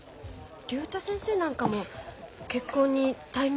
竜太先生なんかも結婚にタイミングってある？